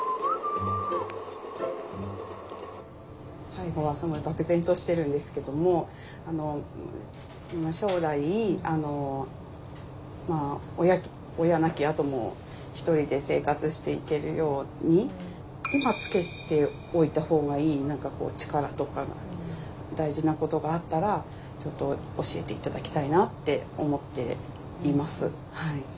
最後はすごい漠然としてるんですけども将来親亡きあともひとりで生活していけるように今つけておいた方がいい何かこう力とかが大事なことがあったらちょっと教えて頂きたいなって思っています。